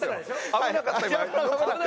危なかったね。